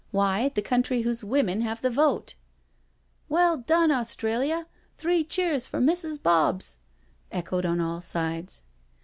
Why the country whose women have the vote "" Well done, Australia— three cheers for Mrs. Bobs 1 " echoed on all sides.